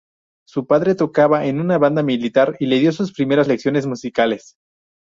Su padre tocaba en una banda militar y le dio sus primeras lecciones musicales.